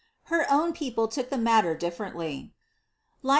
Her own people took the matter differently.